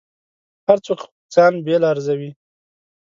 هر څوک ځان بېل ارزوي.